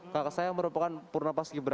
kakak saya merupakan purna pas gibra